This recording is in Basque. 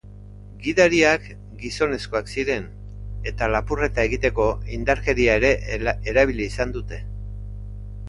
Gidariak gizonezkoak ziren eta lapurreta egiteko indarkeria ere erabili izan dute.